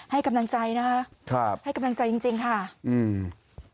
ให้กำลังใจนะคะครับให้กำลังใจจริงจริงค่ะอืม